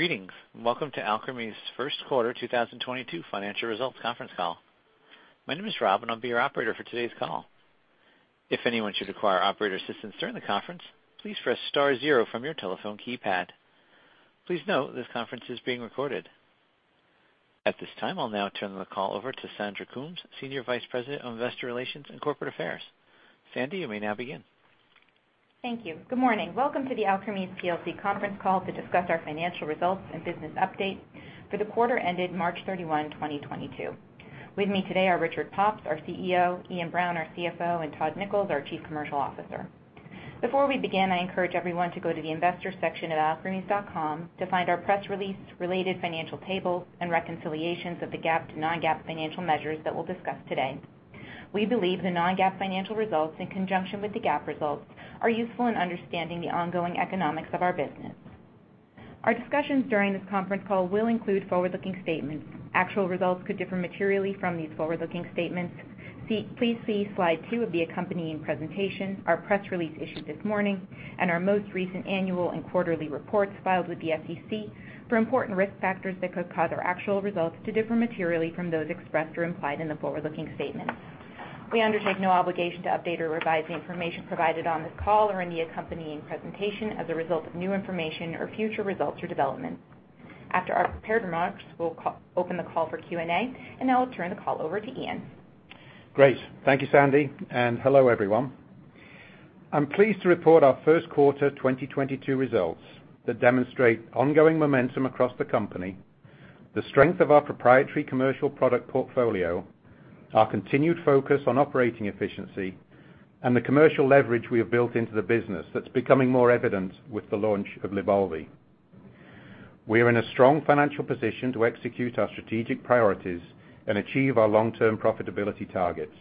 Greetings, welcome to Alkermes' first quarter 2022 financial results conference call. My name is Rob, and I'll be your operator for today's call. If anyone should require operator assistance during the conference, please press star zero from your telephone keypad. Please note this conference is being recorded. At this time, I'll now turn the call over to Sandra Coombs, Senior Vice President of Investor Relations and Corporate Affairs. Sandy, you may now begin. Thank you. Good morning. Welcome to the Alkermes plc conference call to discuss our financial results and business update for the quarter ended March 31, 2022. With me today are Richard Pops, our CEO, Iain Brown, our CFO, and Todd Nichols, our Chief Commercial Officer. Before we begin, I encourage everyone to go to the investors section at alkermes.com to find our press release, related financial tables, and reconciliations of the GAAP to non-GAAP financial measures that we'll discuss today. We believe the non-GAAP financial results, in conjunction with the GAAP results, are useful in understanding the ongoing economics of our business. Our discussions during this conference call will include forward-looking statements. Actual results could differ materially from these forward-looking statements. Please see slide two of the accompanying presentation, our press release issued this morning, and our most recent annual and quarterly reports filed with the SEC for important risk factors that could cause our actual results to differ materially from those expressed or implied in the forward-looking statements. We undertake no obligation to update or revise the information provided on this call or any accompanying presentation as a result of new information or future results or developments. After our prepared remarks, we'll open the call for Q&A, and now I'll turn the call over to Iain. Great. Thank you, Sandy, and hello, everyone. I'm pleased to report our first quarter 2022 results that demonstrate ongoing momentum across the company, the strength of our proprietary commercial product portfolio, our continued focus on operating efficiency, and the commercial leverage we have built into the business that's becoming more evident with the launch of LYBALVI. We are in a strong financial position to execute our strategic priorities and achieve our long-term profitability targets.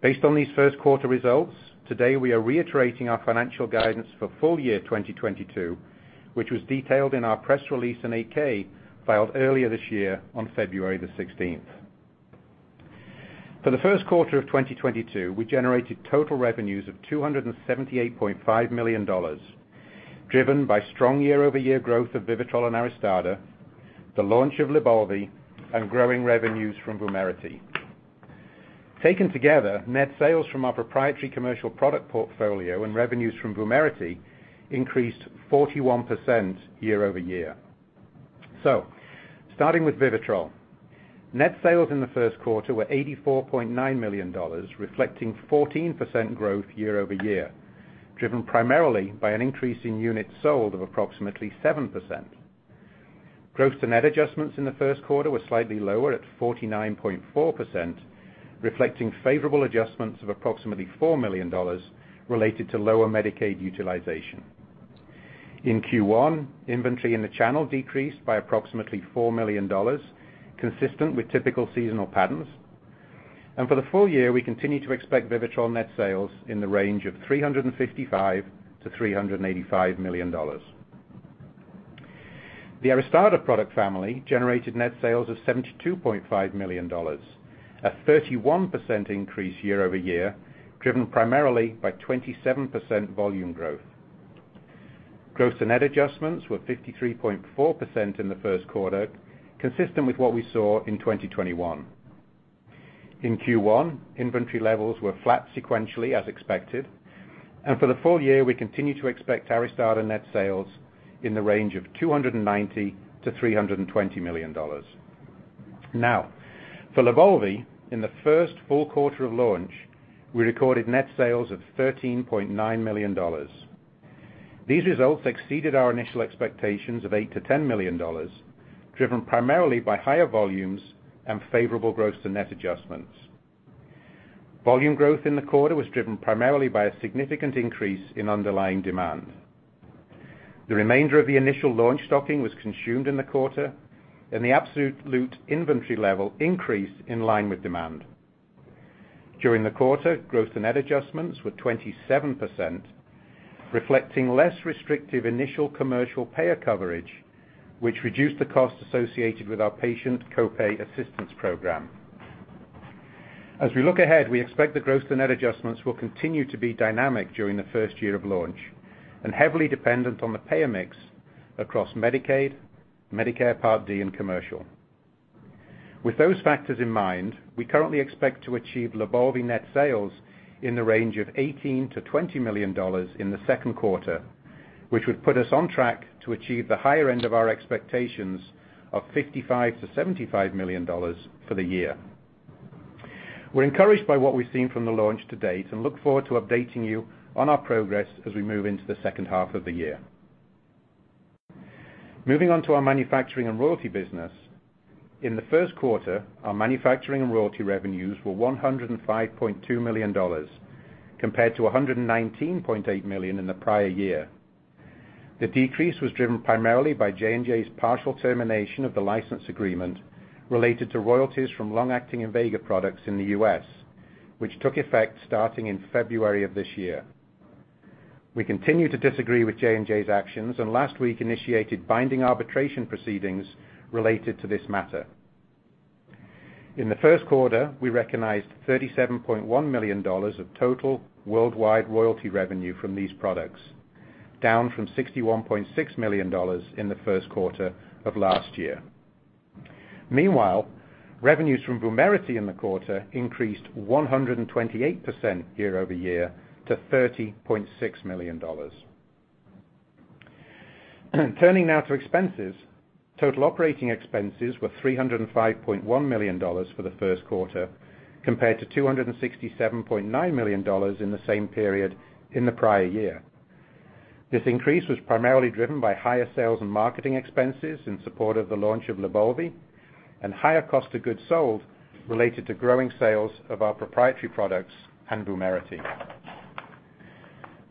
Based on these first quarter results, today we are reiterating our financial guidance for full year 2022, which was detailed in our press release and 8-K filed earlier this year on February the sixteenth. For the first quarter of 2022, we generated total revenues of $278.5 million, driven by strong year-over-year growth of VIVITROL and ARISTADA, the launch of LYBALVI, and growing revenues from VUMERITY. Taken together, net sales from our proprietary commercial product portfolio and revenues from VUMERITY increased 41% year-over-year. Starting with VIVITROL, net sales in the first quarter were $84.9 million, reflecting 14% growth year-over-year, driven primarily by an increase in units sold of approximately 7%. Gross to net adjustments in the first quarter were slightly lower at 49.4%, reflecting favorable adjustments of approximately $4 million related to lower Medicaid utilization. In Q1, inventory in the channel decreased by approximately $4 million, consistent with typical seasonal patterns. For the full year, we continue to expect VIVITROL net sales in the range of $355 million-$385 million. The ARISTADA product family generated net sales of $72.5 million, a 31% increase year over year, driven primarily by 27% volume growth. Gross to net adjustments were 53.4% in the first quarter, consistent with what we saw in 2021. In Q1, inventory levels were flat sequentially, as expected. For the full year, we continue to expect ARISTADA net sales in the range of $290 million-$320 million. Now, for LYBALVI, in the first full quarter of launch, we recorded net sales of $13.9 million. These results exceeded our initial expectations of $8 million-$10 million, driven primarily by higher volumes and favorable gross to net adjustments. Volume growth in the quarter was driven primarily by a significant increase in underlying demand. The remainder of the initial launch stocking was consumed in the quarter, and the absolute net inventory level increased in line with demand. During the quarter, gross to net adjustments were 27%, reflecting less restrictive initial commercial payer coverage, which reduced the cost associated with our patient co-pay assistance program. As we look ahead, we expect the gross to net adjustments will continue to be dynamic during the first year of launch and heavily dependent on the payer mix across Medicaid, Medicare Part D, and Commercial. With those factors in mind, we currently expect to achieve LYBALVI net sales in the range of $18 million-$20 million in the second quarter, which would put us on track to achieve the higher end of our expectations of $55 million-$75 million for the year. We're encouraged by what we've seen from the launch to date and look forward to updating you on our progress as we move into the second half of the year. Moving on to our manufacturing and royalty business. In the first quarter, our manufacturing and royalty revenues were $105.2 million, compared to $119.8 million in the prior year. The decrease was driven primarily by J&J's partial termination of the license agreement related to royalties from long-acting INVEGA products in the U.S., which took effect starting in February of this year. We continue to disagree with J&J's actions and last week initiated binding arbitration proceedings related to this matter. In the first quarter, we recognized $37.1 million of total worldwide royalty revenue from these products, down from $61.6 million in the first quarter of last year. Meanwhile, revenues from VUMERITY in the quarter increased 128% year-over-year to $30.6 million. Turning now to expenses. Total operating expenses were $305.1 million for the first quarter, compared to $267.9 million in the same period in the prior year. This increase was primarily driven by higher sales and marketing expenses in support of the launch of LYBALVI and higher cost of goods sold related to growing sales of our proprietary products and VUMERITY.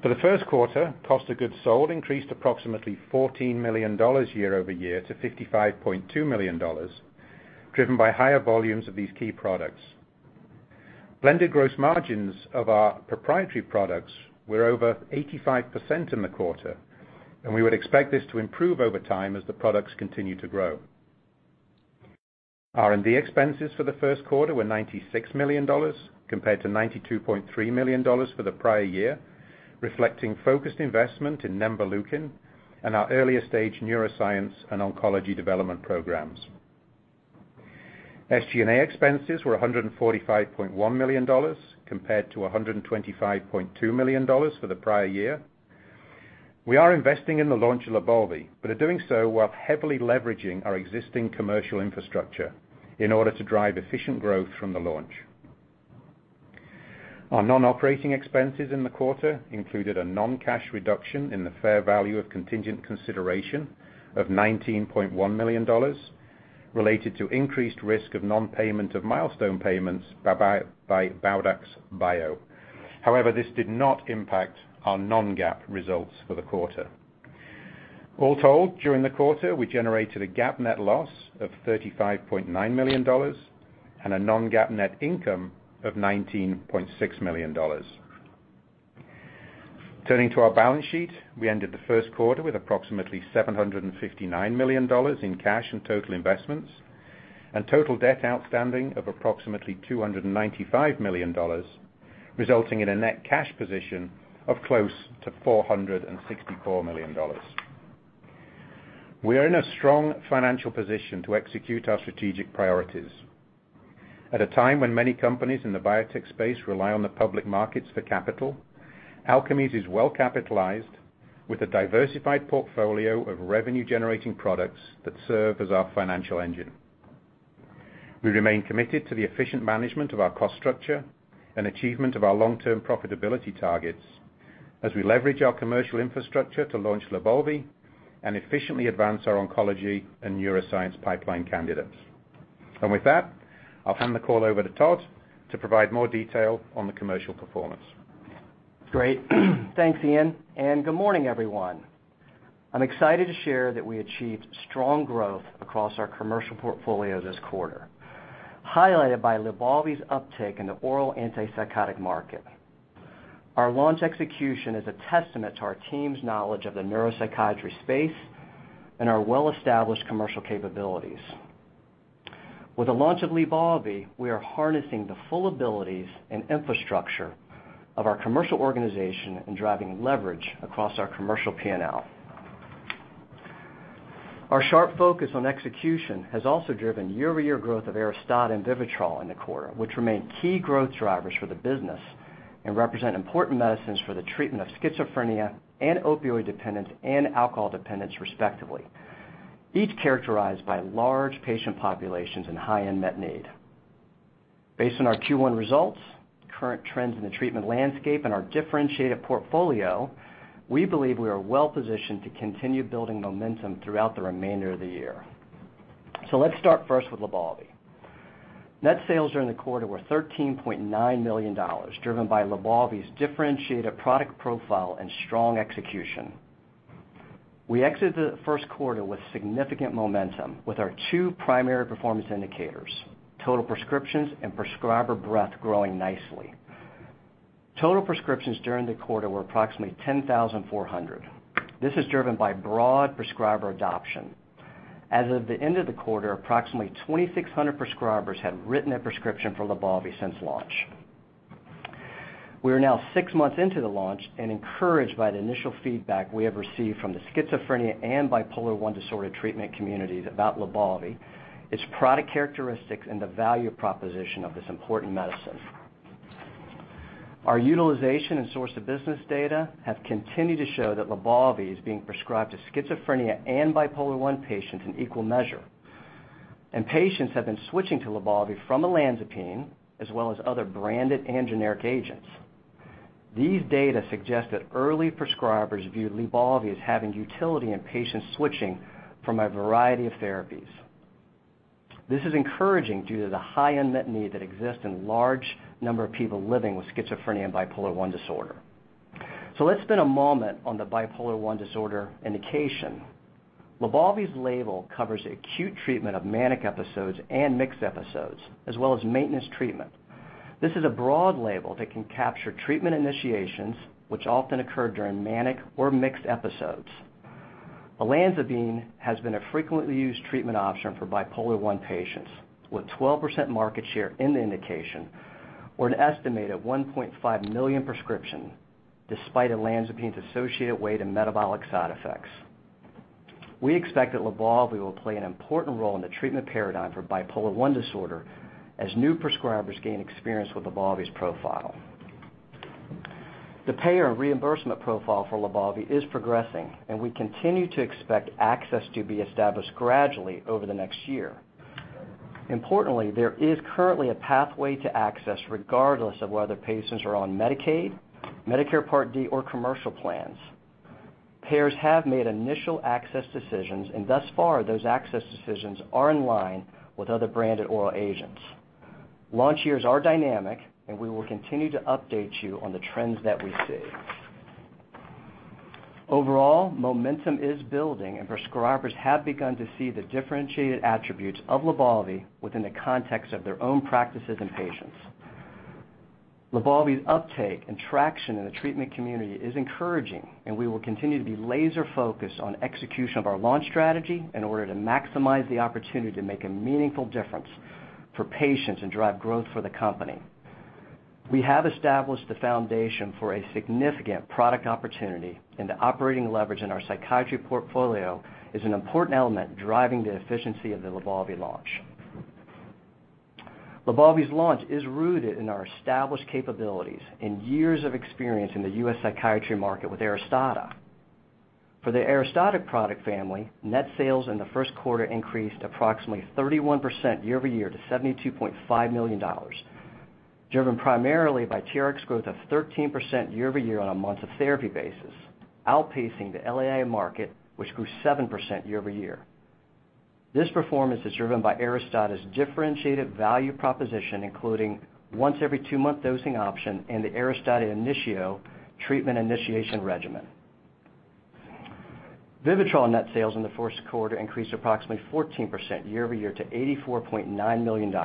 For the first quarter, cost of goods sold increased approximately $14 million year-over-year to $55.2 million, driven by higher volumes of these key products. Blended gross margins of our proprietary products were over 85% in the quarter, and we would expect this to improve over time as the products continue to grow. R&D expenses for the first quarter were $96 million compared to $92.3 million for the prior year, reflecting focused investment in nemvaleukin and our earlier stage neuroscience and oncology development programs. SG&A expenses were $145.1 million compared to $125.2 million for the prior year. We are investing in the launch of LYBALVI, but are doing so while heavily leveraging our existing commercial infrastructure in order to drive efficient growth from the launch. Our non-operating expenses in the quarter included a non-cash reduction in the fair value of contingent consideration of $19.1 million related to increased risk of non-payment of milestone payments by Baudax Bio. However, this did not impact our non-GAAP results for the quarter. All told, during the quarter, we generated a GAAP net loss of $35.9 million and a non-GAAP net income of $19.6 million. Turning to our balance sheet, we ended the first quarter with approximately $759 million in cash and total investments, and total debt outstanding of approximately $295 million, resulting in a net cash position of close to $464 million. We are in a strong financial position to execute our strategic priorities. At a time when many companies in the biotech space rely on the public markets for capital, Alkermes is well capitalized with a diversified portfolio of revenue-generating products that serve as our financial engine. We remain committed to the efficient management of our cost structure and achievement of our long-term profitability targets as we leverage our commercial infrastructure to launch LYBALVI and efficiently advance our oncology and neuroscience pipeline candidates. With that, I'll hand the call over to Todd to provide more detail on the commercial performance. Great. Thanks, Ian, and good morning, everyone. I'm excited to share that we achieved strong growth across our commercial portfolio this quarter, highlighted by LYBALVI's uptake in the oral antipsychotic market. Our launch execution is a testament to our team's knowledge of the neuropsychiatry space and our well-established commercial capabilities. With the launch of LYBALVI, we are harnessing the full abilities and infrastructure of our commercial organization and driving leverage across our commercial P&L. Our sharp focus on execution has also driven year-over-year growth of ARISTADA and VIVITROL in the quarter, which remain key growth drivers for the business and represent important medicines for the treatment of schizophrenia and opioid dependence and alcohol dependence respectively, each characterized by large patient populations and high unmet need. Based on our Q1 results, current trends in the treatment landscape and our differentiated portfolio, we believe we are well positioned to continue building momentum throughout the remainder of the year. Let's start first with LYBALVI. Net sales during the quarter were $13.9 million, driven by LYBALVI's differentiated product profile and strong execution. We exited the first quarter with significant momentum with our two primary performance indicators, total prescriptions and prescriber breadth growing nicely. Total prescriptions during the quarter were approximately 10,400. This is driven by broad prescriber adoption. As of the end of the quarter, approximately 2,600 prescribers have written a prescription for LYBALVI since launch. We are now six months into the launch and encouraged by the initial feedback we have received from the schizophrenia and bipolar I disorder treatment communities about LYBALVI, its product characteristics, and the value proposition of this important medicine. Our utilization and source of business data have continued to show that LYBALVI is being prescribed to schizophrenia and bipolar I patients in equal measure, and patients have been switching to LYBALVI from olanzapine as well as other branded and generic agents. These data suggest that early prescribers view LYBALVI as having utility in patients switching from a variety of therapies. This is encouraging due to the high unmet need that exists in large number of people living with schizophrenia and bipolar I disorder. Let's spend a moment on the bipolar I disorder indication. LYBALVI's label covers acute treatment of manic episodes and mixed episodes, as well as maintenance treatment. This is a broad label that can capture treatment initiations, which often occur during manic or mixed episodes. Olanzapine has been a frequently used treatment option for bipolar I patients, with 12% market share in the indication or an estimate of 1.5 million prescriptions despite olanzapine's associated weight and metabolic side effects. We expect that LYBALVI will play an important role in the treatment paradigm for bipolar I disorder as new prescribers gain experience with LYBALVI's profile. The payer and reimbursement profile for LYBALVI is progressing, and we continue to expect access to be established gradually over the next year. Importantly, there is currently a pathway to access regardless of whether patients are on Medicaid, Medicare Part D, or commercial plans. Payers have made initial access decisions, and thus far, those access decisions are in line with other branded oral agents. Launch years are dynamic, and we will continue to update you on the trends that we see. Overall, momentum is building, and prescribers have begun to see the differentiated attributes of LYBALVI within the context of their own practices and patients. LYBALVI's uptake and traction in the treatment community is encouraging, and we will continue to be laser-focused on execution of our launch strategy in order to maximize the opportunity to make a meaningful difference for patients and drive growth for the company. We have established the foundation for a significant product opportunity, and the operating leverage in our psychiatry portfolio is an important element driving the efficiency of the LYBALVI launch. LYBALVI's launch is rooted in our established capabilities and years of experience in the US, psychiatry market with ARISTADA. For the ARISTADA product family, net sales in the first quarter increased approximately 31% year-over-year to $72.5 million, driven primarily by TRx growth of 13% year-over-year on a months of therapy basis, outpacing the LAI market, which grew 7% year-over-year. This performance is driven by ARISTADA's differentiated value proposition, including once every two-month dosing option and the ARISTADA INITIO treatment initiation regimen. VIVITROL net sales in the first quarter increased approximately 14% year-over-year to $84.9 million.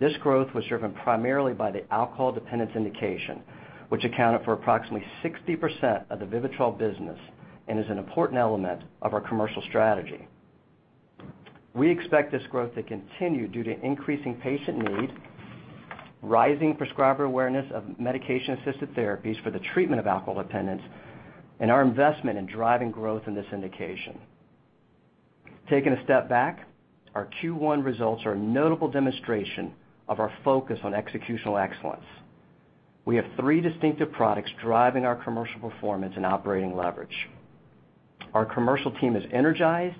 This growth was driven primarily by the alcohol dependence indication, which accounted for approximately 60% of the VIVITROL business and is an important element of our commercial strategy. We expect this growth to continue due to increasing patient need, rising prescriber awareness of medication-assisted therapies for the treatment of alcohol dependence, and our investment in driving growth in this indication. Taking a step back, our Q1 results are a notable demonstration of our focus on executional excellence. We have three distinctive products driving our commercial performance and operating leverage. Our commercial team is energized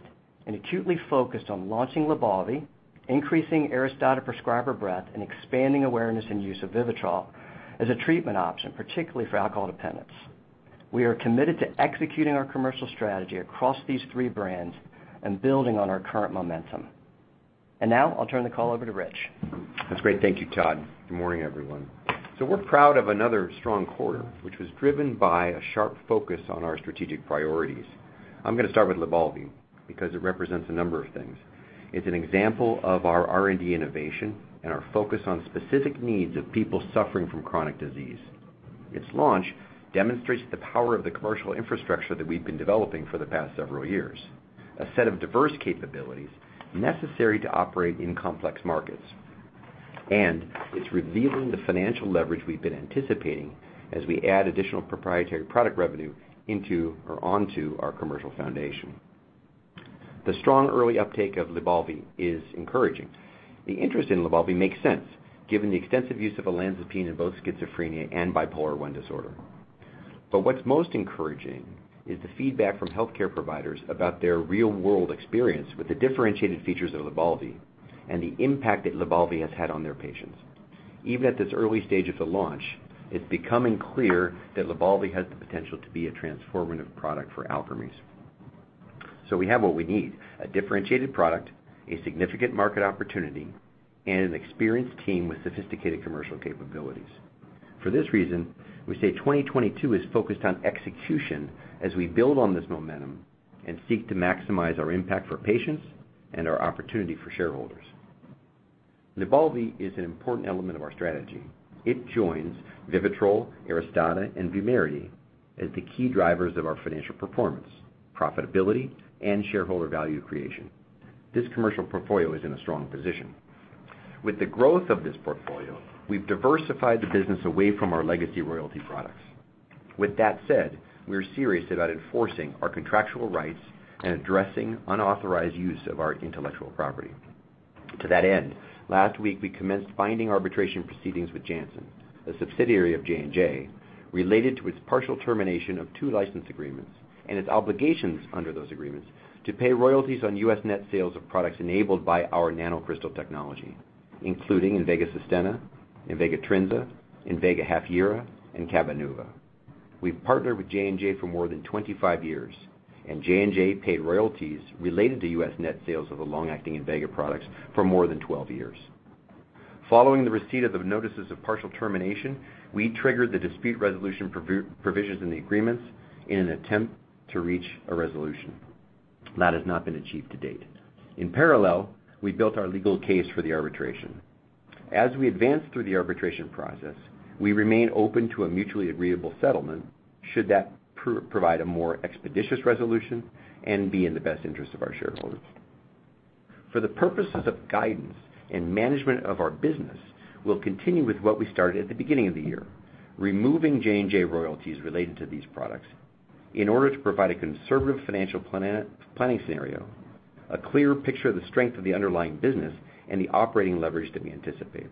and acutely focused on launching LYBALVI, increasing ARISTADA prescriber breadth, and expanding awareness and use of VIVITROL as a treatment option, particularly for alcohol dependence. We are committed to executing our commercial strategy across these three brands and building on our current momentum. Now I'll turn the call over to Richard. That's great. Thank you, Todd. Good morning, everyone. We're proud of another strong quarter, which was driven by a sharp focus on our strategic priorities. I'm gonna start with LYBALVI because it represents a number of things. It's an example of our R&D innovation and our focus on specific needs of people suffering from chronic disease. Its launch demonstrates the power of the commercial infrastructure that we've been developing for the past several years, a set of diverse capabilities necessary to operate in complex markets. It's revealing the financial leverage we've been anticipating as we add additional proprietary product revenue into or onto our commercial foundation. The strong early uptake of LYBALVI is encouraging. The interest in LYBALVI makes sense given the extensive use of olanzapine in both schizophrenia and bipolar I disorder. What's most encouraging is the feedback from healthcare providers about their real-world experience with the differentiated features of LYBALVI and the impact that LYBALVI has had on their patients. Even at this early stage of the launch, it's becoming clear that LYBALVI has the potential to be a transformative product for Alkermes. We have what we need, a differentiated product, a significant market opportunity, and an experienced team with sophisticated commercial capabilities. For this reason, we say 2022 is focused on execution as we build on this momentum and seek to maximize our impact for patients and our opportunity for shareholders. LYBALVI is an important element of our strategy. It joins VIVITROL, ARISTADA, and VUMERITY as the key drivers of our financial performance, profitability, and shareholder value creation. This commercial portfolio is in a strong position. With the growth of this portfolio, we've diversified the business away from our legacy royalty products. With that said, we are serious about enforcing our contractual rights and addressing unauthorized use of our intellectual property. To that end, last week we commenced binding arbitration proceedings with Janssen, a subsidiary of J&J, related to its partial termination of two license agreements and its obligations under those agreements to pay royalties on U.S. net sales of products enabled by our NanoCrystal technology, including INVEGA SUSTENNA, INVEGA TRINZA, INVEGA HAFYERA, and CABENUVA. We've partnered with J&J for more than 25 years, and J&J paid royalties related to U.S. net sales of the long-acting INVEGA products for more than 12 years. Following the receipt of the notices of partial termination, we triggered the dispute resolution provisions in the agreements in an attempt to reach a resolution. That has not been achieved to date. In parallel, we built our legal case for the arbitration. As we advance through the arbitration process, we remain open to a mutually agreeable settlement should that provide a more expeditious resolution and be in the best interest of our shareholders. For the purposes of guidance and management of our business, we'll continue with what we started at the beginning of the year, removing J&J royalties related to these products in order to provide a conservative financial planning scenario, a clear picture of the strength of the underlying business, and the operating leverage that we anticipate.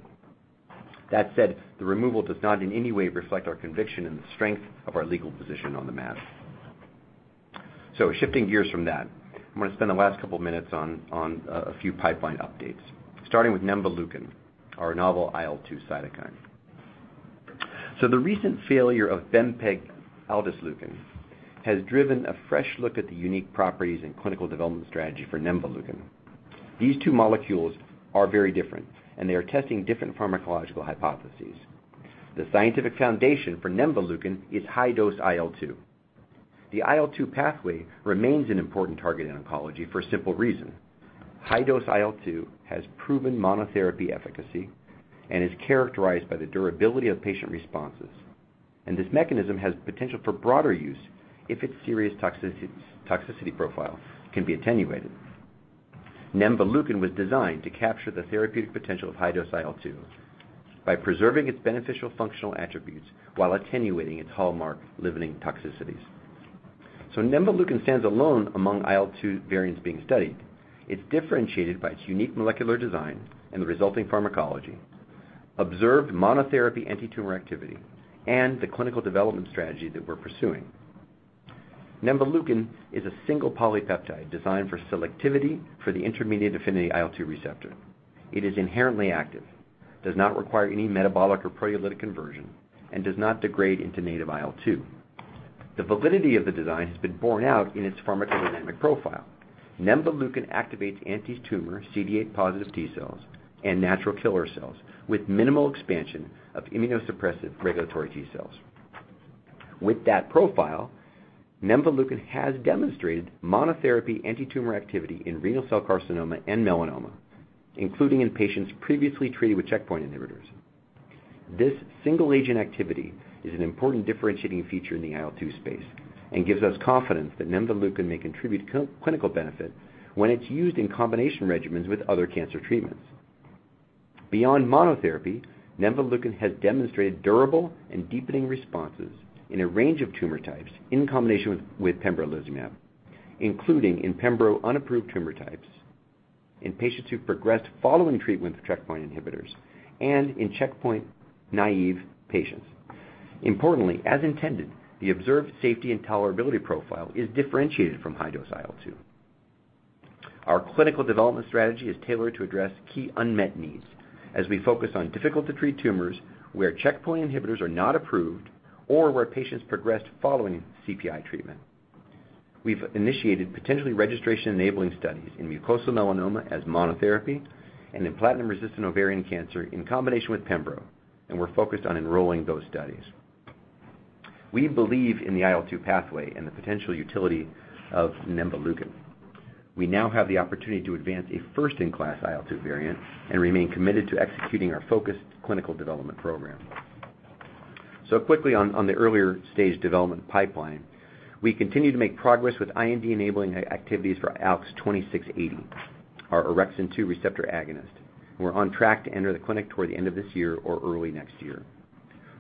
That said, the removal does not in any way reflect our conviction in the strength of our legal position on the matter. Shifting gears from that, I'm gonna spend the last couple minutes on a few pipeline updates, starting with nemvaleukin, our novel IL-2 cytokine. The recent failure of bempegaldesleukin has driven a fresh look at the unique properties and clinical development strategy for nemvaleukin. These two molecules are very different, and they are testing different pharmacological hypotheses. The scientific foundation for nemvaleukin is high-dose IL-2. The IL-2 pathway remains an important target in oncology for a simple reason. High-dose IL-2 has proven monotherapy efficacy and is characterized by the durability of patient responses, and this mechanism has potential for broader use if its serious toxicity profile can be attenuated. Nemvaleukin was designed to capture the therapeutic potential of high-dose IL-2 by preserving its beneficial functional attributes while attenuating its hallmark limiting toxicities. Nemvaleukin stands alone among IL-2 variants being studied. It's differentiated by its unique molecular design and the resulting pharmacology, observed monotherapy antitumor activity, and the clinical development strategy that we're pursuing. Nemvaleukin is a single polypeptide designed for selectivity for the intermediate affinity IL-2 receptor. It is inherently active, does not require any metabolic or proteolytic conversion, and does not degrade into native IL-2. The validity of the design has been borne out in its pharmacodynamic profile. Nemvaleukin activates antitumor CD8 positive T cells and natural killer cells with minimal expansion of immunosuppressive regulatory T cells. With that profile, nemvaleukin has demonstrated monotherapy antitumor activity in renal cell carcinoma and melanoma, including in patients previously treated with checkpoint inhibitors. This single agent activity is an important differentiating feature in the IL-2 space and gives us confidence that nemvaleukin may contribute clinical benefit when it's used in combination regimens with other cancer treatments. Beyond monotherapy, nemvaleukin has demonstrated durable and deepening responses in a range of tumor types in combination with pembrolizumab, including in pembro unapproved tumor types, in patients who've progressed following treatment with checkpoint inhibitors, and in checkpoint-naive patients. Importantly, as intended, the observed safety and tolerability profile is differentiated from high-dose IL-2. Our clinical development strategy is tailored to address key unmet needs as we focus on difficult-to-treat tumors where checkpoint inhibitors are not approved or where patients progressed following CPI treatment. We've initiated potentially registration-enabling studies in mucosal melanoma as monotherapy and in platinum-resistant ovarian cancer in combination with pembro, and we're focused on enrolling those studies. We believe in the IL-2 pathway and the potential utility of nemvaleukin. We now have the opportunity to advance a first-in-class IL-2 variant and remain committed to executing our focused clinical development program. Quickly on the earlier stage development pipeline, we continue to make progress with IND-enabling activities for ALKS 2680, our orexin-2 receptor agonist, and we're on track to enter the clinic toward the end of this year or early next year.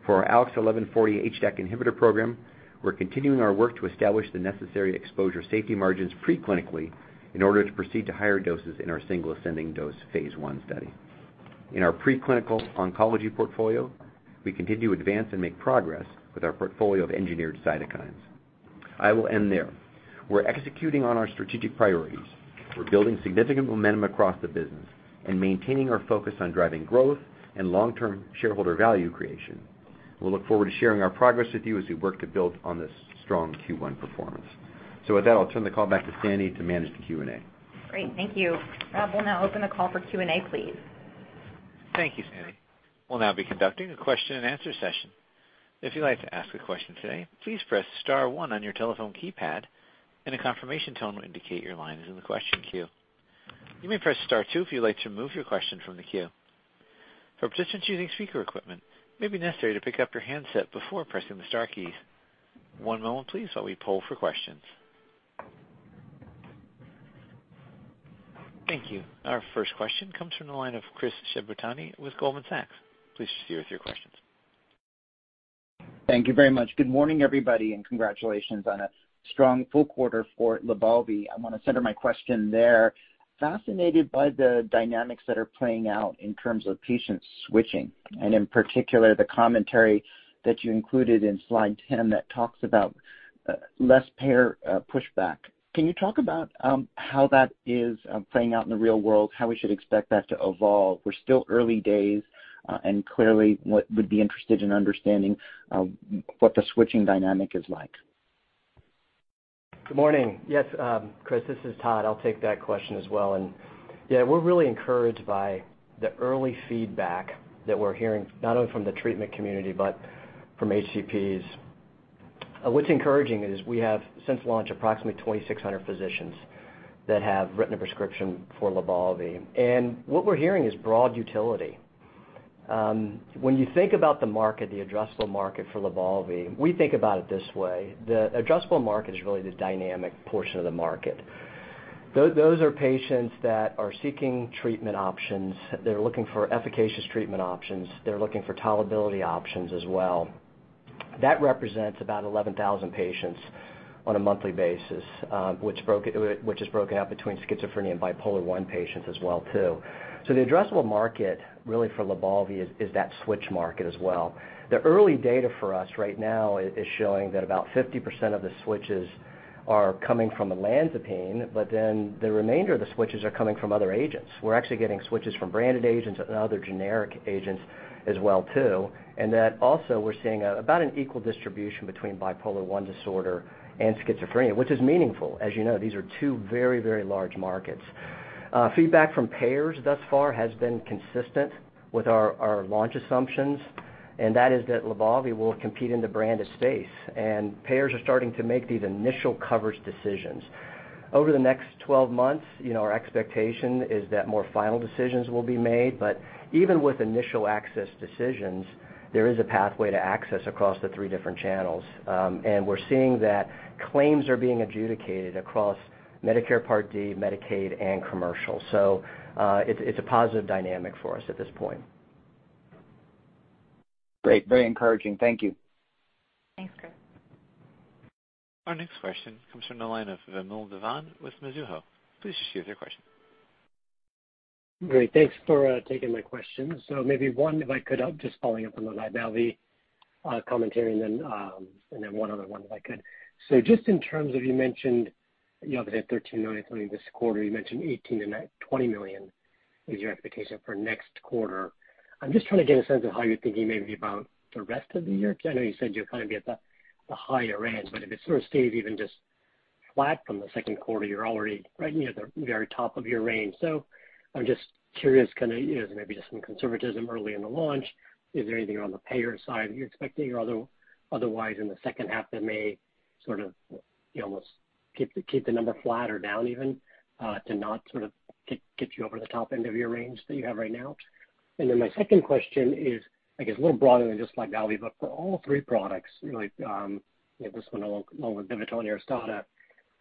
For our ALKS 1140 HDAC inhibitor program, we're continuing our work to establish the necessary exposure safety margins preclinically in order to proceed to higher doses in our single ascending dose phase I study. In our preclinical oncology portfolio, we continue to advance and make progress with our portfolio of engineered cytokines. I will end there. We're executing on our strategic priorities. We're building significant momentum across the business and maintaining our focus on driving growth and long-term shareholder value creation. We'll look forward to sharing our progress with you as we work to build on this strong Q1 performance. With that, I'll turn the call back to Sandy to manage the Q&A. Great. Thank you. Rob, we'll now open the call for Q&A, please. Thank you, Sandy. We'll now be conducting a question-and-answer session. If you'd like to ask a question today, please press star one on your telephone keypad, and a confirmation tone will indicate your line is in the question queue. You may press star two if you'd like to remove your question from the queue. For participants using speaker equipment, it may be necessary to pick up your handset before pressing the star keys. One moment please while we poll for questions. Thank you. Our first question comes from the line of Chris Shibutani with Goldman Sachs. Please proceed with your questions. Thank you very much. Good morning, everybody, and congratulations on a strong full quarter for LYBALVI. I wanna center my question there. Fascinated by the dynamics that are playing out in terms of patients switching and in particular the commentary that you included in slide 10 that talks about less payer pushback. Can you talk about how that is playing out in the real world, how we should expect that to evolve? We're still early days, and clearly what we would be interested in understanding what the switching dynamic is like. Good morning. Yes, Chris, this is Todd. I'll take that question as well. Yeah, we're really encouraged by the early feedback that we're hearing, not only from the treatment community, but From HCPs. What's encouraging is we have, since launch, approximately 2,600 physicians that have written a prescription for LYBALVI. What we're hearing is broad utility. When you think about the market, the addressable market for LYBALVI, we think about it this way. The addressable market is really the dynamic portion of the market. Those are patients that are seeking treatment options. They're looking for efficacious treatment options. They're looking for tolerability options as well. That represents about 11,000 patients on a monthly basis, which is broken up between schizophrenia and bipolar I patients as well, too. The addressable market, really for LYBALVI, is that switch market as well. The early data for us right now is showing that about 50% of the switches are coming from olanzapine, but then the remainder of the switches are coming from other agents. We're actually getting switches from branded agents and other generic agents as well, too. That also we're seeing about an equal distribution between bipolar I disorder and schizophrenia, which is meaningful. As you know, these are two very, very large markets. Feedback from payers thus far has been consistent with our launch assumptions, and that is that LYBALVI will compete in the branded space, and payers are starting to make these initial coverage decisions. Over the next 12 months, you know, our expectation is that more final decisions will be made, but even with initial access decisions, there is a pathway to access across the three different channels. We're seeing that claims are being adjudicated across Medicare Part D, Medicaid, and commercial. It's a positive dynamic for us at this point. Great. Very encouraging. Thank you. Thanks, Chris. Our next question comes from the line of Vamil Divan with Mizuho. Please proceed with your question. Great. Thanks for taking my question. Maybe one, if I could, just following up on the LYBALVI commentary and then one other one, if I could. Just in terms of you mentioned you have the $13 million in net sales this quarter, you mentioned $18 million and $19-$20 million is your expectation for next quarter. I'm just trying to get a sense of how you're thinking maybe about the rest of the year. I know you said you're gonna be at the higher end, but if it sort of stays even just flat from the second quarter, you're already right near the very top of your range. I'm just curious, kinda, you know, maybe just some conservatism early in the launch. Is there anything on the payer side you're expecting or otherwise in the second half that may sort of almost keep the number flat or down even, to not sort of get you over the top end of your range that you have right now? My second question is, I guess, a little broader than just LYBALVI, but for all three products, like, you have this one along with VIVITROL and ARISTADA.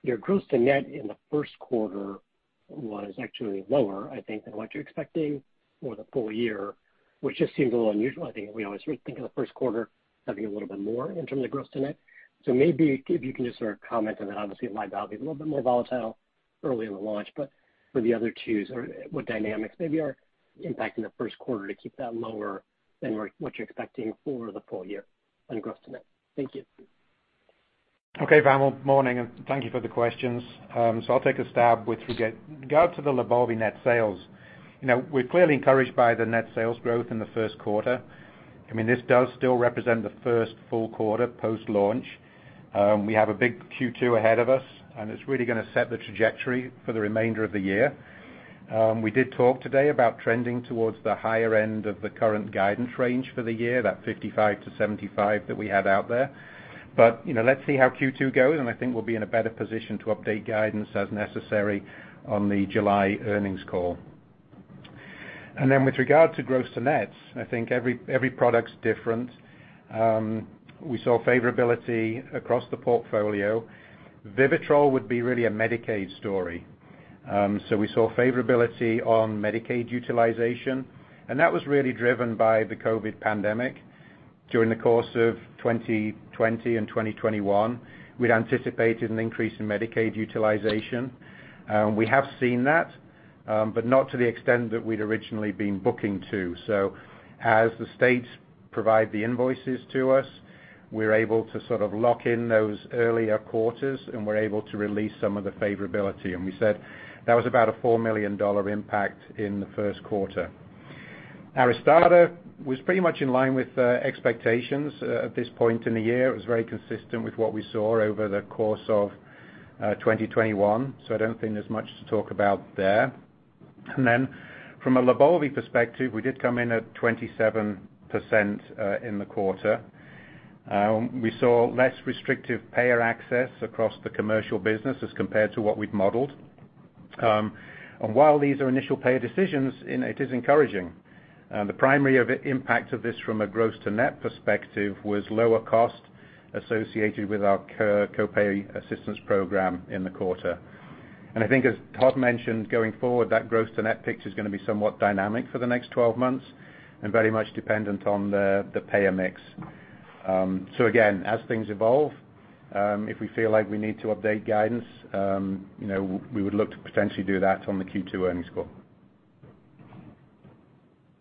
Your gross to net in the first quarter was actually lower, I think, than what you're expecting for the full year, which just seems a little unusual. I think we always think of the first quarter having a little bit more in terms of gross to net. Maybe if you can just sort of comment on that. Obviously, it might be a little bit more volatile early in the launch, but for the other twos, or what dynamics maybe are impacting the first quarter to keep that lower than what you're expecting for the full year on gross to net? Thank you. Okay, Vamil. Morning, and thank you for the questions. So I'll take a stab with regard to the LYBALVI net sales. You know, we're clearly encouraged by the net sales growth in the first quarter. I mean, this does still represent the first full quarter post-launch. We have a big Q2 ahead of us, and it's really gonna set the trajectory for the remainder of the year. We did talk today about trending towards the higher end of the current guidance range for the year, that $55-$75 million that we had out there. You know, let's see how Q2 goes, and I think we'll be in a better position to update guidance as necessary on the July earnings call. Then with regard to gross to nets, I think every product's different. We saw favorability across the portfolio. VIVITROL would be really a Medicaid story. We saw favorability on Medicaid utilization, and that was really driven by the COVID pandemic during the course of 2020 and 2021. We'd anticipated an increase in Medicaid utilization. We have seen that, but not to the extent that we'd originally been booking to. As the states provide the invoices to us, we're able to sort of lock in those earlier quarters, and we're able to release some of the favorability. We said that was about a $4 million impact in the first quarter. ARISTADA was pretty much in line with expectations at this point in the year. It was very consistent with what we saw over the course of 2021, so I don't think there's much to talk about there. From a LYBALVI perspective, we did come in at 27% in the quarter. We saw less restrictive payer access across the commercial business as compared to what we'd modeled. While these are initial payer decisions, it is encouraging. The primary impact of this from a gross to net perspective was lower cost associated with our co-pay assistance program in the quarter. I think as Todd mentioned, going forward, that gross to net picture is gonna be somewhat dynamic for the next 12 months and very much dependent on the payer mix. As things evolve, if we feel like we need to update guidance, you know, we would look to potentially do that on the Q2 earnings call.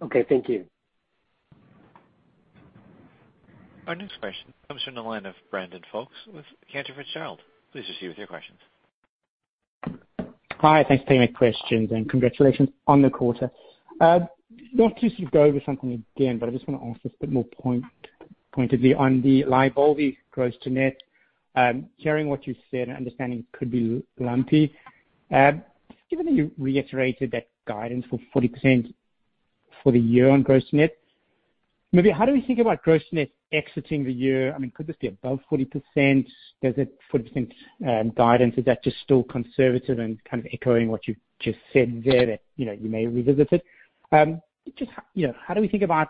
Okay. Thank you. Our next question comes from the line of Brandon Folkes with Cantor Fitzgerald. Please proceed with your questions. Hi. Thanks for taking my questions, and congratulations on the quarter. Not to sort of go over something again, but I just want to ask this a bit more pointedly on the LYBALVI gross to net. Hearing what you said and understanding it could be lumpy. Given that you reiterated that guidance for 40% for the year on gross-to-net, maybe how do we think about gross-to-net exiting the year? I mean, could this be above 40%? 40% guidance, is that just still conservative and kind of echoing what you've just said there that, you know, you may revisit it? Just, you know, how do we think about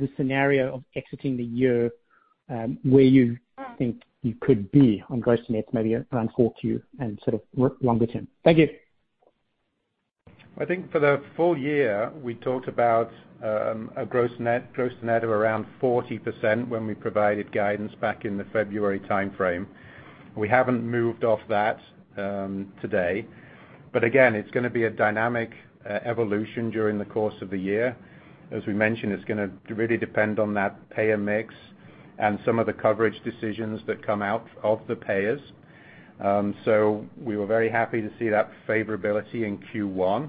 the scenario of exiting the year, where you think you could be on gross-to-net maybe around 4Q and sort of longer term? Thank you. I think for the full year, we talked about a gross net of around 40% when we provided guidance back in the February timeframe. We haven't moved off that today. Again, it's gonna be a dynamic evolution during the course of the year. As we mentioned, it's gonna really depend on that payer mix and some of the coverage decisions that come out of the payers. We were very happy to see that favorability in Q1.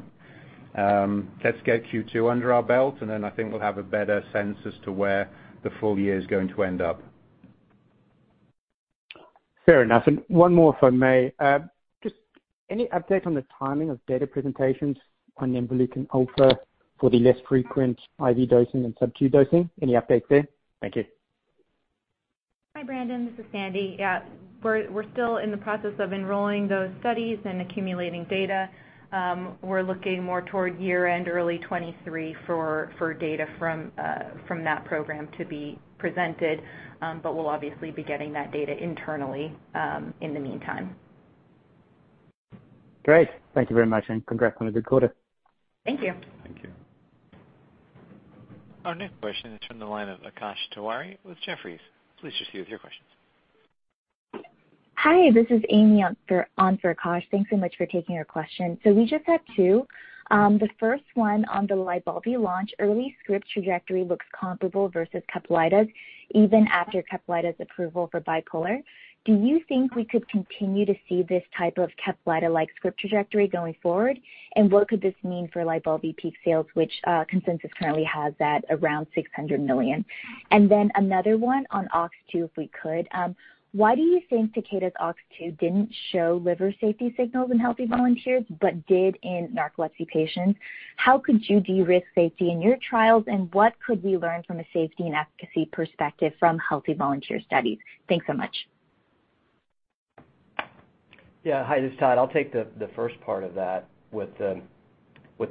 Let's get Q2 under our belt, and then I think we'll have a better sense as to where the full year is going to end up. Fair enough. One more, if I may. Just any update on the timing of data presentations on nemvaleukin for the less frequent IV dosing and sub-Q dosing? Any updates there? Thank you. Hi, Brandon. This is Sandy. Yeah, we're still in the process of enrolling those studies and accumulating data. We're looking more toward year-end early 2023 for data from that program to be presented. We'll obviously be getting that data internally, in the meantime. Great. Thank you very much, and congrats on a good quarter. Thank you. Thank you. Our next question is from the line of Akash Tewari with Jefferies. Please proceed with your questions. Hi, this is Amy on for Akash. Thanks so much for taking our question. We just have two. The first one on the LYBALVI launch, early script trajectory looks comparable versus CAPLYTA's, even after CAPLYTA's approval for bipolar. Do you think we could continue to see this type of CAPLYTA-like script trajectory going forward? And what could this mean for LYBALVI peak sales, which consensus currently has at around $600 million? And then another one on OX2, if we could. Why do you think Takeda's OX2 didn't show liver safety signals in healthy volunteers, but did in narcolepsy patients? How could you de-risk safety in your trials, and what could we learn from a safety and efficacy perspective from healthy volunteer studies? Thanks so much. Yeah. Hi, this is Todd. I'll take the first part of that with the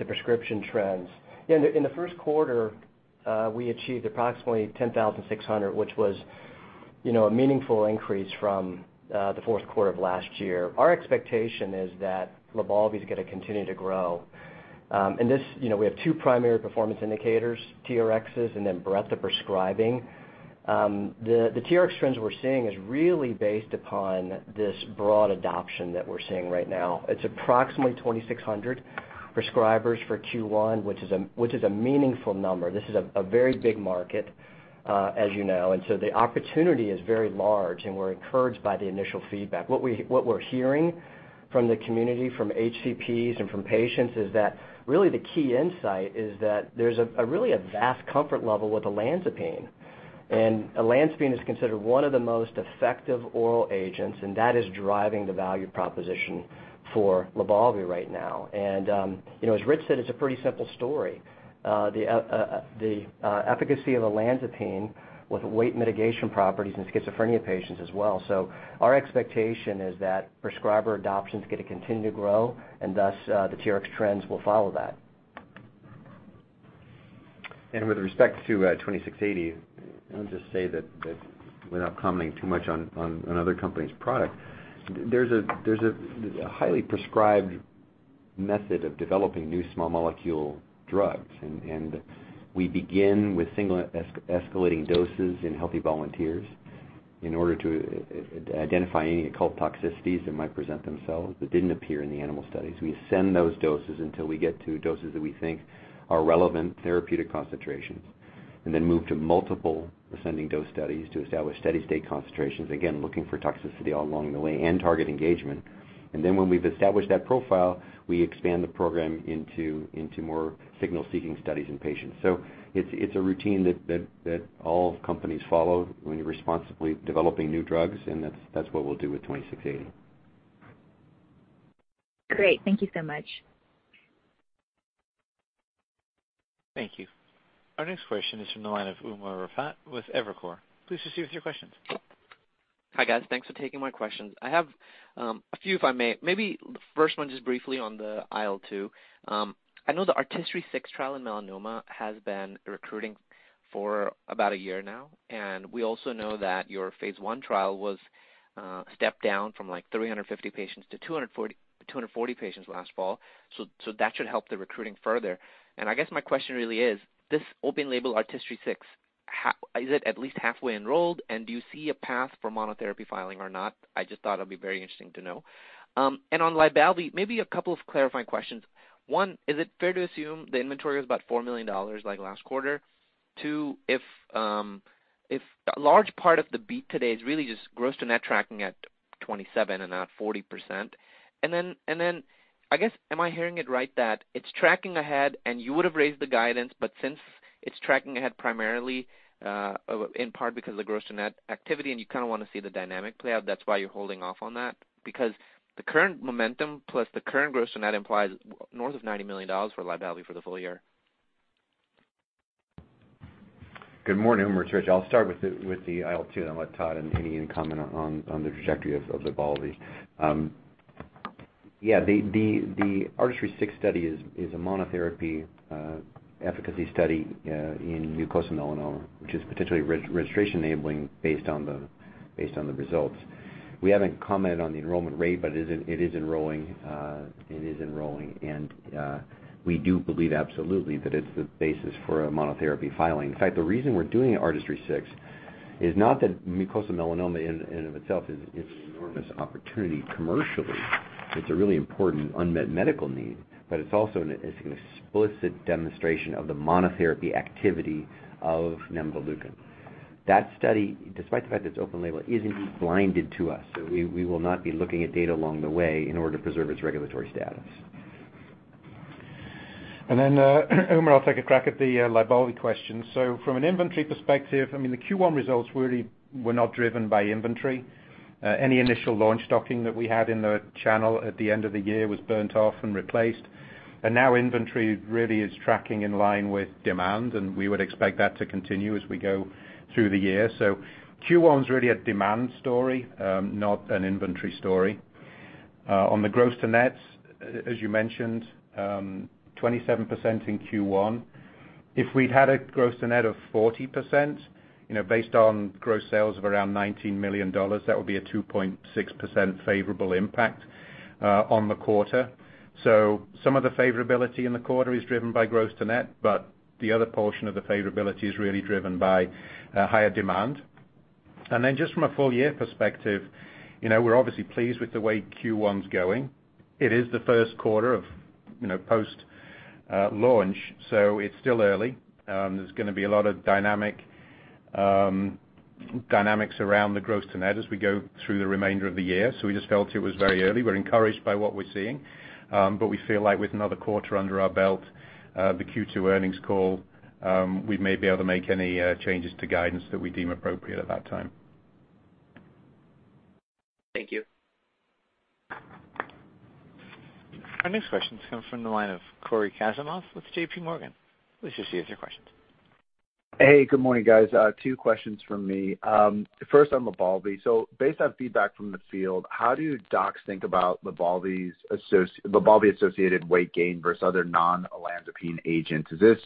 prescription trends. In the first quarter, we achieved approximately 10,600, which was, you know, a meaningful increase from the fourth quarter of last year. Our expectation is that LYBALVI is gonna continue to grow. You know, we have two primary performance indicators, TRx and then breadth of prescribing. The TRx trends we're seeing is really based upon this broad adoption that we're seeing right now. It's approximately 2,600 prescribers for Q1, which is a meaningful number. This is a very big market, as you know. The opportunity is very large, and we're encouraged by the initial feedback. What we're hearing from the community, from HCPs and from patients is that really the key insight is that there's a really vast comfort level with olanzapine. Olanzapine is considered one of the most effective oral agents, and that is driving the value proposition for LYBALVI right now. You know, as Richard said, it's a pretty simple story. The efficacy of olanzapine with weight mitigation properties in schizophrenia patients as well. Our expectation is that prescriber adoption is gonna continue to grow and thus, the TRx trends will follow that. With respect to 2680, I'll just say that without commenting too much on other company's product, there's a highly prescribed method of developing new small molecule drugs. We begin with single escalating doses in healthy volunteers in order to identify any occult toxicities that might present themselves that didn't appear in the animal studies. We ascend those doses until we get to doses that we think are relevant therapeutic concentrations, and then move to multiple ascending dose studies to establish steady state concentrations, again, looking for toxicity all along the way and target engagement. When we've established that profile, we expand the program into more signal-seeking studies in patients. It's a routine that all companies follow when you're responsibly developing new drugs, and that's what we'll do with 2680. Great. Thank you so much. Thank you. Our next question is from the line of Umer Raffat with Evercore. Please proceed with your questions. Hi, guys. Thanks for taking my questions. I have a few, if I may. Maybe the first one just briefly on the IL-2. I know the ARTISTRY-6 trial in melanoma has been recruiting for about a year now, and we also know that your phase I trial was stepped down from like 350 patients to 240 patients last fall. So that should help the recruiting further. I guess my question really is, this open label ARTISTRY-6 is it at least halfway enrolled, and do you see a path for monotherapy filing or not? I just thought it'd be very interesting to know. And on LYBALVI, maybe a couple of clarifying questions. One, is it fair to assume the inventory is about $4 million like last quarter? Two, if a large part of the beat today is really just gross to net tracking at 27% and not 40%. Then I guess, am I hearing it right that it's tracking ahead and you would have raised the guidance, but since it's tracking ahead primarily in part because of the gross to net activity and you kinda wanna see the dynamic play out, that's why you're holding off on that? Because the current momentum plus the current gross to net implies north of $90 million for LYBALVI for the full year. Good morning, Umer. It's Richard. I'll start with the IL-2, and I'll let Todd and Iain comment on the trajectory of LYBALVI. Yeah, the ARTISTRY-6 study is a monotherapy efficacy study in mucosal melanoma, which is potentially re-registration enabling based on the results. We haven't commented on the enrollment rate, but it is enrolling. We do believe absolutely that it's the basis for a monotherapy filing. In fact, the reason we're doing ARTISTRY-6 is not that mucosal melanoma in and of itself is an enormous opportunity commercially. It's a really important unmet medical need, but it's also an explicit demonstration of the monotherapy activity of nemvaleukin. That study, despite the fact it's open label, is indeed blinded to us. We will not be looking at data along the way in order to preserve its regulatory status. Umer, I'll take a crack at the LYBALVI question. From an inventory perspective, I mean, the Q1 results really were not driven by inventory. Any initial launch stocking that we had in the channel at the end of the year was burnt off and replaced. Now inventory really is tracking in line with demand, and we would expect that to continue as we go through the year. Q1 is really a demand story, not an inventory story. On the gross to nets, as you mentioned, 27% in Q1. If we'd had a gross to net of 40%, you know, based on gross sales of around $19 million, that would be a 2.6% favorable impact on the quarter. Some of the favorability in the quarter is driven by gross to net, but the other portion of the favorability is really driven by higher demand. Just from a full year perspective, you know, we're obviously pleased with the way Q1's going. It is the first quarter of, you know, post launch, so it's still early. There's gonna be a lot of dynamics around the gross to net as we go through the remainder of the year. We just felt it was very early. We're encouraged by what we're seeing, but we feel like with another quarter under our belt, the Q2 earnings call, we may be able to make any changes to guidance that we deem appropriate at that time. Thank you. Our next question comes from the line of Cory Kasimov with JPMorgan. Please proceed with your questions. Hey, good morning, guys. Two questions from me. First on LYBALVI. So based on feedback from the field, how do docs think about LYBALVI-associated weight gain versus other non-olanzapine agents? Is this,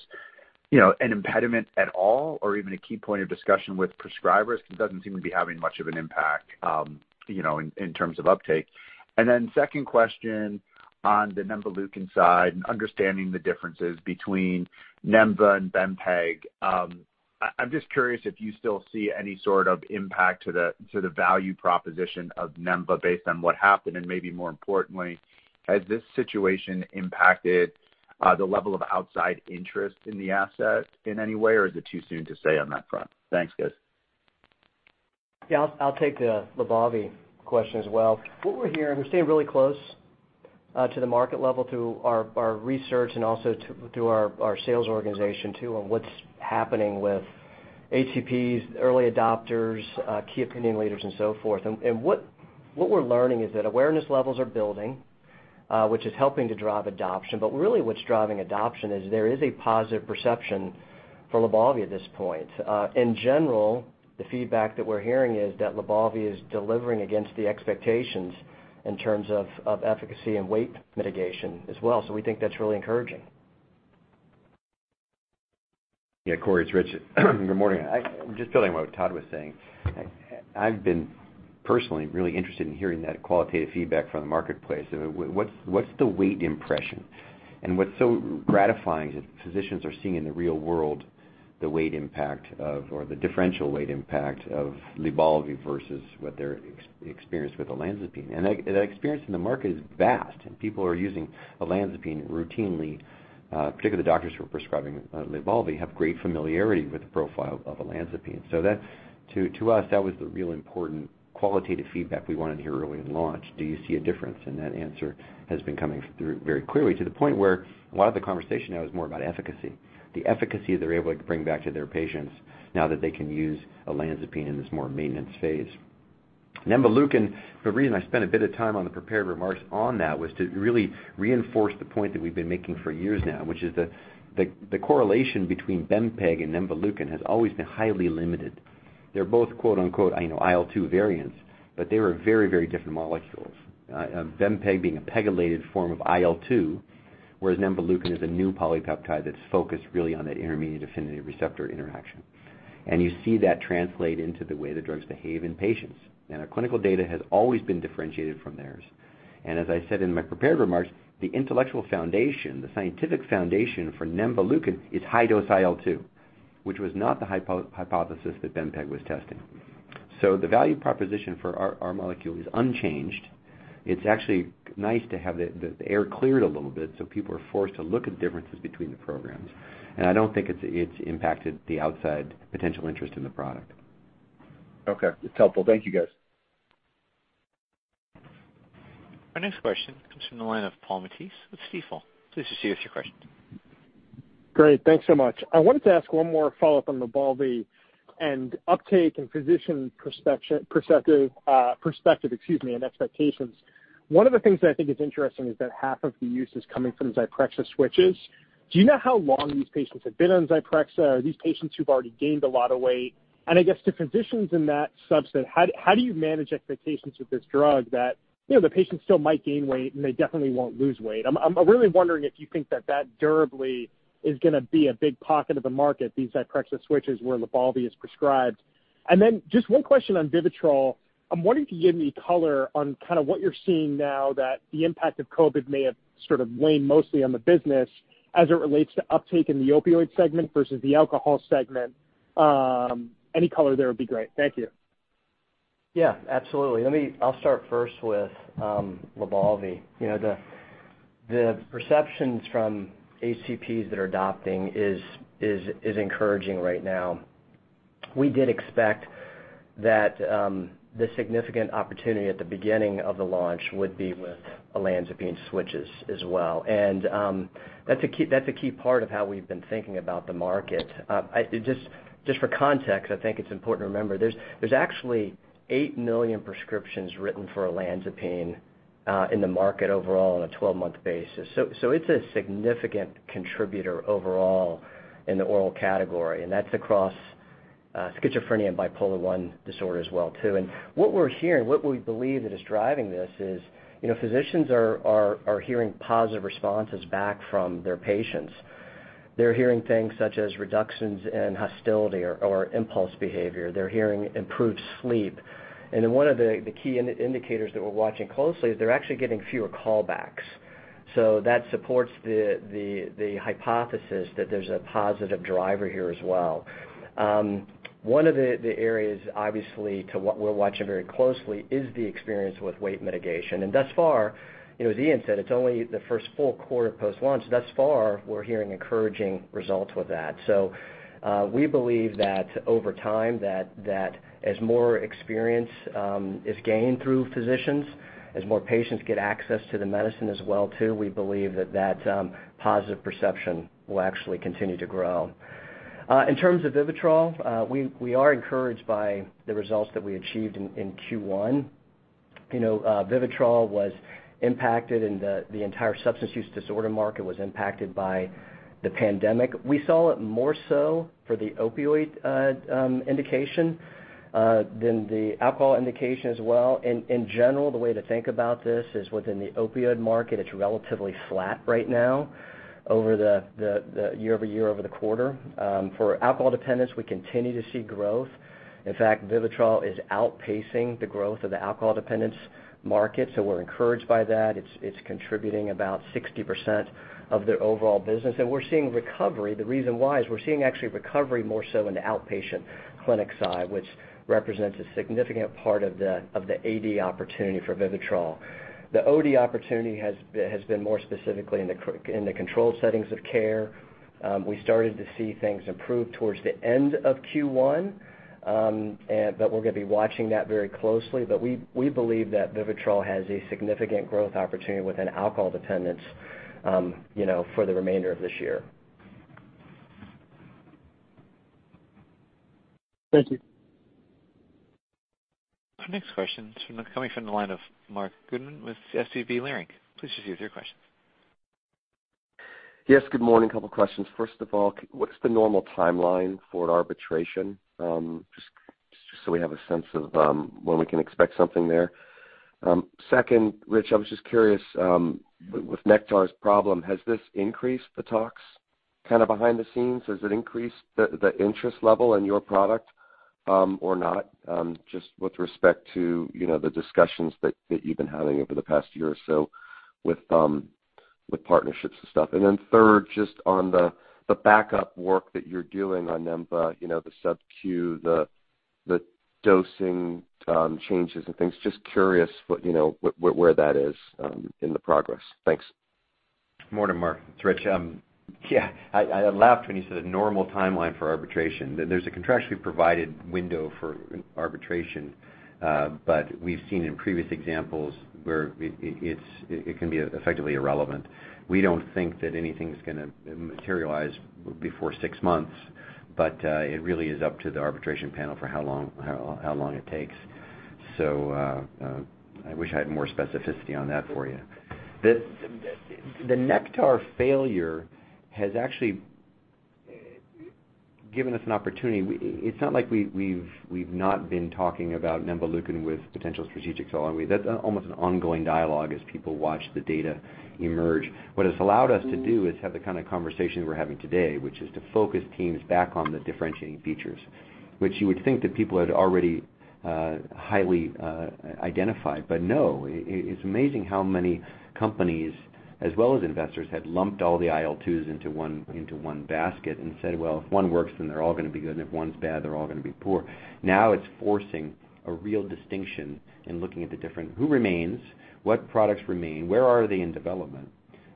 you know, an impediment at all or even a key point of discussion with prescribers? It doesn't seem to be having much of an impact, you know, in terms of uptake. Second question on the nemvaleukin side and understanding the differences between Nemva and Bempeg. I'm just curious if you still see any sort of impact to the value proposition of Nemva based on what happened, and maybe more importantly, has this situation impacted the level of outside interest in the asset in any way, or is it too soon to say on that front? Thanks, guys. Yeah, I'll take the LYBALVI question as well. What we're hearing, we're staying really close to the market level through our research and also to our sales organization too, on what's happening with HCPs, early adopters, key opinion leaders, and so forth. What we're learning is that awareness levels are building, which is helping to drive adoption. Really what's driving adoption is there is a positive perception for LYBALVI at this point. In general, the feedback that we're hearing is that LYBALVI is delivering against the expectations in terms of efficacy and weight mitigation as well. We think that's really encouraging. Yeah, Corey, it's Richard. Good morning. Just building on what Todd was saying, I've been personally really interested in hearing that qualitative feedback from the marketplace. What's the weight impression? What's so gratifying is that physicians are seeing in the real world the weight impact or the differential weight impact of LYBALVI versus what they're experience with olanzapine. That experience in the market is vast, and people are using olanzapine routinely, particularly the doctors who are prescribing LYBALVI have great familiarity with the profile of olanzapine. That's to us, that was the real important qualitative feedback we wanted to hear early in launch. Do you see a difference? That answer has been coming through very clearly to the point where a lot of the conversation now is more about efficacy, the efficacy they're able to bring back to their patients now that they can use olanzapine in this more maintenance phase. Nemvaleukin, the reason I spent a bit of time on the prepared remarks on that was to really reinforce the point that we've been making for years now, which is the correlation between bempegaldesleukin and nemvaleukin has always been highly limited. They're both, quote-unquote, I know, IL-2 variants, but they are very, very different molecules. Bempegaldesleukin being a pegylated form of IL-2, whereas nemvaleukin is a new polypeptide that's focused really on that intermediate affinity receptor interaction. You see that translate into the way the drugs behave in patients. Our clinical data has always been differentiated from theirs. As I said in my prepared remarks, the intellectual foundation, the scientific foundation for nemvaleukin is high-dose IL-2, which was not the hypothesis that bempegaldesleukin was testing. The value proposition for our molecule is unchanged. It's actually nice to have the air cleared a little bit so people are forced to look at differences between the programs. I don't think it's impacted the outside potential interest in the product. Okay. It's helpful. Thank you, guys. Our next question comes from the line of Paul Matteis with Stifel. Please proceed with your question. Great. Thanks so much. I wanted to ask one more follow-up on LYBALVI and uptake and physician perspective, excuse me, and expectations. One of the things that I think is interesting is that half of the use is coming from Zyprexa switches. Do you know how long these patients have been on Zyprexa? Are these patients who've already gained a lot of weight? I guess to physicians in that subset, how do you manage expectations with this drug that, you know, the patients still might gain weight, and they definitely won't lose weight. I'm really wondering if you think that durably is gonna be a big pocket of the market, these Zyprexa switches where LYBALVI is prescribed. Then just one question on VIVITROL. I'm wondering if you have any color on kinda what you're seeing now that the impact of COVID may have sort of waned mostly on the business as it relates to uptake in the opioid segment versus the alcohol segment. Any color there would be great. Thank you. Yeah, absolutely. I'll start first with LYBALVI. You know, the perceptions from HCPs that are adopting is encouraging right now. We did expect that the significant opportunity at the beginning of the launch would be with olanzapine switches as well. That's a key part of how we've been thinking about the market. Just for context, I think it's important to remember, there's actually 8 million prescriptions written for olanzapine in the market overall on a 12-month basis. So it's a significant contributor overall in the oral category, and that's across schizophrenia and bipolar I disorder as well, too. What we're hearing, what we believe that is driving this is, you know, physicians are hearing positive responses back from their patients. They're hearing things such as reductions in hostility or impulse behavior. They're hearing improved sleep. One of the key indicators that we're watching closely is they're actually getting fewer callbacks. That supports the hypothesis that there's a positive driver here as well. One of the areas obviously that we're watching very closely is the experience with weight mitigation. Thus far, you know, as Ian said, it's only the first full quarter post-launch. Thus far, we're hearing encouraging results with that. We believe that over time that as more experience is gained through physicians, as more patients get access to the medicine as well too, we believe that positive perception will actually continue to grow. In terms of VIVITROL, we are encouraged by the results that we achieved in Q1. You know, VIVITROL was impacted and the entire substance use disorder market was impacted by the pandemic. We saw it more so for the opioid indication than the alcohol indication as well. In general, the way to think about this is within the opioid market, it's relatively flat right now over the year-over-year over the quarter. For alcohol dependence, we continue to see growth. In fact, VIVITROL is outpacing the growth of the alcohol dependence market, so we're encouraged by that. It's contributing about 60% of their overall business. We're seeing recovery. The reason why is we're seeing actually recovery more so in the outpatient clinic side, which represents a significant part of the AD opportunity for VIVITROL. The OD opportunity has been more specifically in the controlled settings of care. We started to see things improve towards the end of Q1, and we're gonna be watching that very closely. We believe that VIVITROL has a significant growth opportunity within alcohol dependence, you know, for the remainder of this year. Thank you. Our next question's coming from the line of Marc Goodman with SVB Leerink. Please proceed with your questions. Yes, good morning. A couple questions. First of all, what is the normal timeline for an arbitration? Just so we have a sense of when we can expect something there. Second, Richard, I was just curious, with Nektar's problem, has this increased the talks kind of behind the scenes? Has it increased the interest level in your product, or not? Just with respect to, you know, the discussions that you've been having over the past year or so with partnerships and stuff. Third, just on the backup work that you're doing on nemvaleukin, you know, the subQ, the dosing changes and things. Just curious what, you know, where that is in the progress. Thanks. Morning, Marc. It's Richard. Yeah, I laughed when you said normal timeline for arbitration. There's a contractually provided window for arbitration, but we've seen in previous examples where it can be effectively irrelevant. We don't think that anything's gonna materialize before six months, but it really is up to the arbitration panel for how long it takes. I wish I had more specificity on that for you. The Nektar failure has actually given us an opportunity. It's not like we have not been talking about nemvaleukin with potential strategics along the way. That's almost an ongoing dialogue as people watch the data emerge. What it's allowed us to do is have the kind of conversation we're having today, which is to focus teams back on the differentiating features, which you would think that people had already highly identified. No, it's amazing how many companies, as well as investors, had lumped all the IL-2s into one basket and said, "Well, if one works, then they're all gonna be good. And if one's bad, they're all gonna be poor." Now it's forcing a real distinction in looking at the different IL-2s remain, what products remain, where are they in development,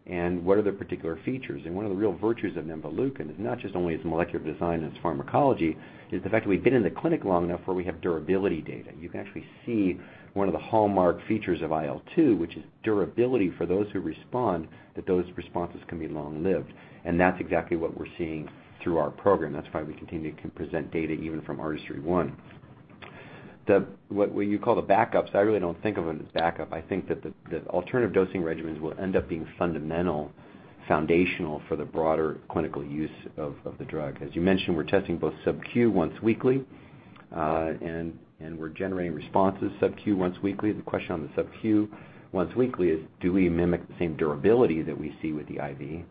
and what are their particular features? One of the real virtues of nemvaleukin is not just only its molecular design and its pharmacology, is the fact that we've been in the clinic long enough where we have durability data. You can actually see one of the hallmark features of IL-2, which is durability for those who respond, that those responses can be long-lived. That's exactly what we're seeing through our program. That's why we continue to present data even from ARTISTRY-1. What you call the backups, I really don't think of them as backup. I think that the alternative dosing regimens will end up being fundamental, foundational for the broader clinical use of the drug. As you mentioned, we're testing both sub Q once weekly, and we're generating responses sub Q once weekly. The question on the sub Q once weekly is. Do we mimic the same durability that we see with the IV?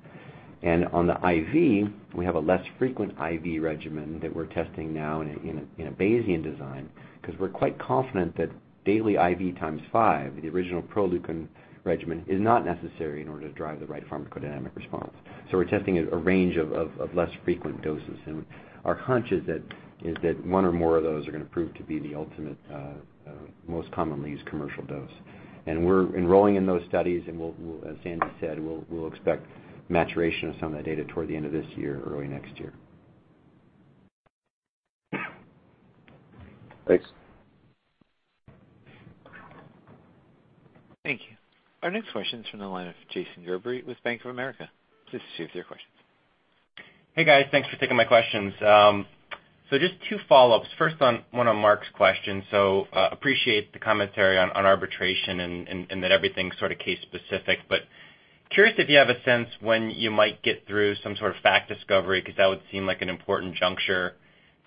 On the IV, we have a less frequent IV regimen that we're testing now in a Bayesian design, 'cause we're quite confident that daily IV times 5, the original Proleukin regimen, is not necessary in order to drive the right pharmacodynamic response. We're testing a range of less frequent doses. Our hunch is that one or more of those are gonna prove to be the ultimate most commonly used commercial dose. We're enrolling in those studies, and we'll, as Sandy said, expect maturation of some of that data toward the end of this year, early next year. Thanks. Thank you. Our next question is from the line of Jason Gerberry with Bank of America. Please proceed with your questions. Hey, guys. Thanks for taking my questions. Just two follow-ups. First, on one of Marc's questions. Appreciate the commentary on arbitration and that everything's sorta case specific. Curious if you have a sense when you might get through some sort of fact discovery, 'cause that would seem like an important juncture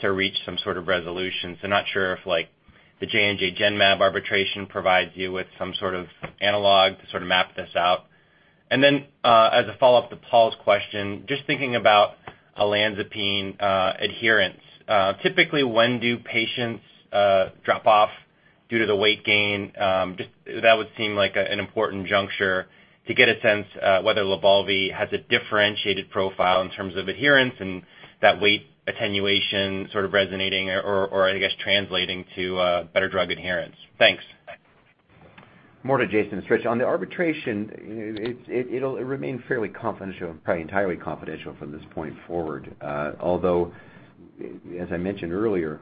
to reach some sort of resolution. Not sure if like the J&J Genmab arbitration provides you with some sort of analog to sort of map this out. As a follow-up to Paul's question, just thinking about olanzapine adherence. Typically when do patients drop off due to the weight gain? Just that would seem like an important juncture to get a sense whether LYBALVI has a differentiated profile in terms of adherence and that weight attenuation sort of resonating or, I guess, translating to better drug adherence. Thanks. More to Jason's question. On the arbitration, you know, it's, it'll remain fairly confidential, probably entirely confidential from this point forward. Although as I mentioned earlier,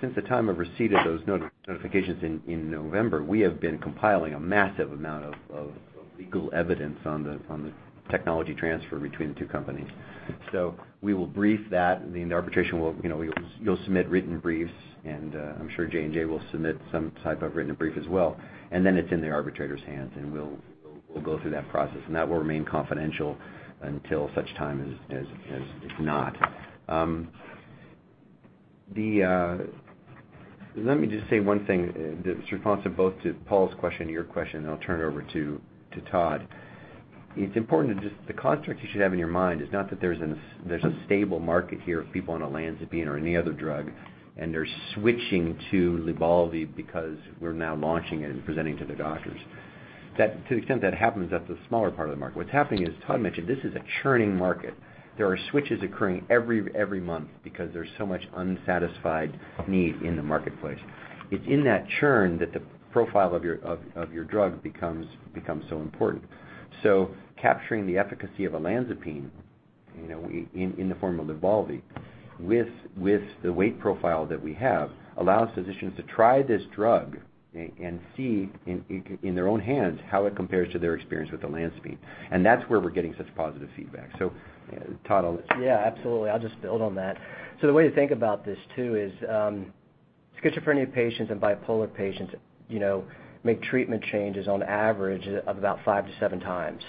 since the time I've received those notifications in November, we have been compiling a massive amount of legal evidence on the technology transfer between the two companies. So we will brief that. The arbitration will, you know, we will you'll submit written briefs, and I'm sure J&J will submit some type of written brief as well. Then it's in the arbitrator's hands, and we'll go through that process. That will remain confidential until such time as not. Let me just say one thing that's responsive both to Paul's question and your question, then I'll turn it over to Todd. It's important. The construct you should have in your mind is not that there's a stable market here of people on olanzapine or any other drug, and they're switching to LYBALVI because we're now launching it and presenting to their doctors. That, to the extent that happens, that's a smaller part of the market. What's happening is, as Todd mentioned, this is a churning market. There are switches occurring every month because there's so much unsatisfied need in the marketplace. It's in that churn that the profile of your drug becomes so important. Capturing the efficacy of olanzapine, you know, in the form of LYBALVI with the weight profile that we have, allows physicians to try this drug and see in their own hands how it compares to their experience with olanzapine, and that's where we're getting such positive feedback. Todd, I'll let you- Yeah, absolutely. I'll just build on that. The way to think about this too is, schizophrenia patients and bipolar patients, you know, make treatment changes on average of about 5-7 times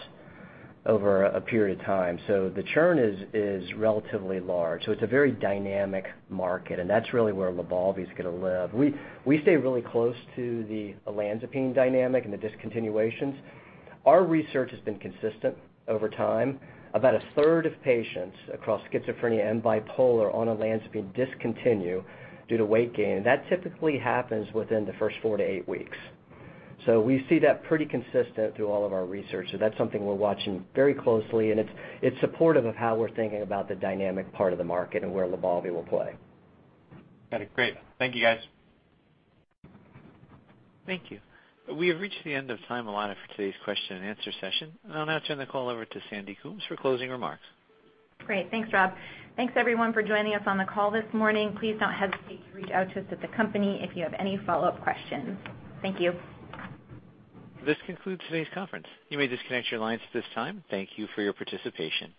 over a period of time. The churn is relatively large. It's a very dynamic market, and that's really where LYBALVI is gonna live. We stay really close to the olanzapine dynamic and the discontinuations. Our research has been consistent over time. About a third of patients across schizophrenia and bipolar on olanzapine discontinue due to weight gain, and that typically happens within the first 4-8 weeks. We see that pretty consistent through all of our research, so that's something we're watching very closely, and it's supportive of how we're thinking about the dynamic part of the market and where LYBALVI will play. Got it. Great. Thank you, guys. Thank you. We have reached the end of time allotted for today's question and answer session. I'll now turn the call over to Sandy Coombs for closing remarks. Great. Thanks, Rob. Thanks, everyone, for joining us on the call this morning. Please don't hesitate to reach out to us at the company if you have any follow-up questions. Thank you. This concludes today's conference. You may disconnect your lines at this time. Thank you for your participation.